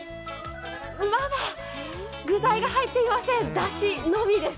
まだ具材が入っていません、だしのみです。